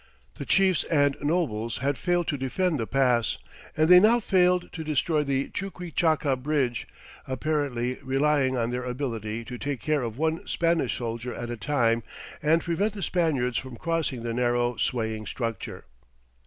The chiefs and nobles had failed to defend the pass; and they now failed to destroy the Chuquichaca bridge, apparently relying on their ability to take care of one Spanish soldier at a time and prevent the Spaniards from crossing the narrow, swaying structure.